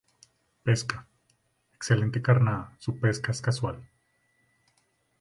Pesca: excelente carnada, su pesca es casual.